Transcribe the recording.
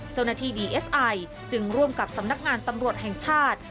เจ้าหน้าที่ดีเอสไอจึงร่วมกับสำนักงานตำรวจแห่งชาติ